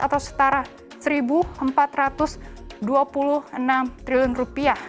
atau setara satu empat ratus dua puluh enam triliun rupiah